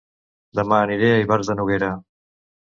Dema aniré a Ivars de Noguera